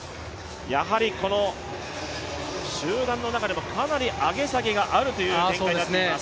集団の中でもかなり上げ下げがあるという展開になっています。